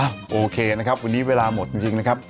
โอเคนะครับวันนี้เวลาหมดจริงนะครับ